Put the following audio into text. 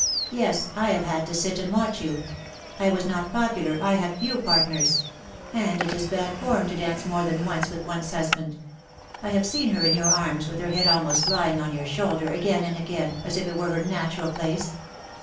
Yes, I have had to sit and watch you. I was not popular, I had few partners ; and it is bad form to dance more than once with one's husband. I have seen her in your arms, with her head almost lying on your shoulder, again and again, as if it were her natural place.